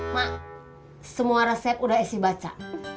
mak semua resep udah esy baca